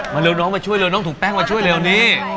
เร็วน้องมาช่วยเร็วน้องถูกแป้งมาช่วยเร็วนี้